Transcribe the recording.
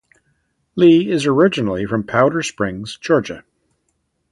Lee is originally from Powder Springs, Georgia.